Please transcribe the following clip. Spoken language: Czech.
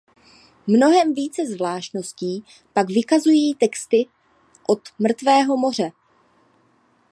Mnohem více zvláštností pak vykazují texty od Mrtvého moře.